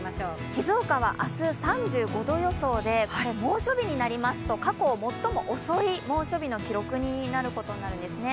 静岡は明日、３５度予想で猛暑日になりますと過去最も遅い猛暑日の記録になることになるんですね。